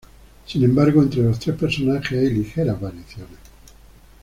Sin embargo, entre los tres personajes hay ligeras variaciones.